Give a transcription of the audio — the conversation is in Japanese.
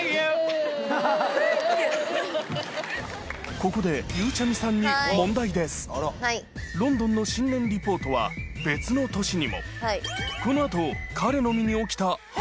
・ここでゆうちゃみさんにロンドンの新年リポートは別の年にも何やろ？